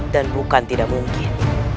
dan bukan tidak mungkin